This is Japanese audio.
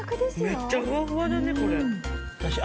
めっちゃふわふわだねこれ。